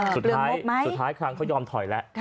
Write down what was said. สุดท้ายครั้งเขายอมถอยแล้ว